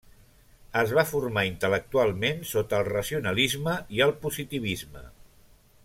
Es va formar intel·lectualment sota el racionalisme i el positivisme.